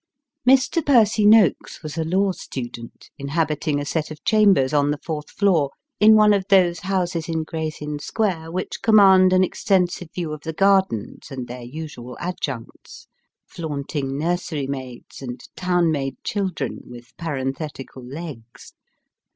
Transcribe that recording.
ME. PEROT NOAKES was a law student, inhabiting a set of chambers on the fourth floor, in one of those houses in Gray's Inn Square which command an extensive view of the gardens, and their usual adjuncts flaunting nursery maids, and town made children, with parenthetical legs.